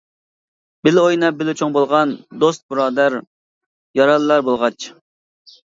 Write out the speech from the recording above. بىللە ئويناپ بىللە چوڭ بولغان، دوست بۇرادەر يارەنلەر بولغاچ.